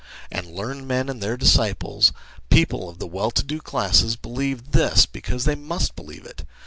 And learned men and their disciples people of the well to do classes believe this because they must believe it.